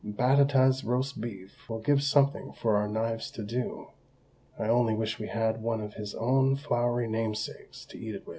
Batata's roast beef will give something for our knives to do; I only wish we had one of his own floury namesakes to eat with it."